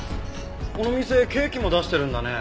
この店ケーキも出してるんだね。